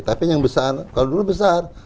tapi yang besar kalau dulu besar